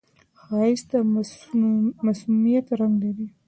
ښایست د معصومیت رنگ لري